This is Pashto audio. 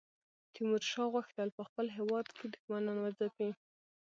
تیمورشاه غوښتل په خپل هیواد کې دښمنان وځپي.